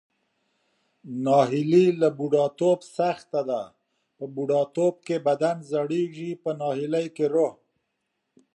ناهیلي له بوډاتوب سخته ده، په بوډاتوب کې بدن زړیږي پۀ ناهیلۍ کې روح.